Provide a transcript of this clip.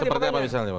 seperti apa misalnya pak